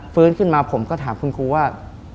ฟื้นขึ้นมาผมก็ถามคุณครูว่า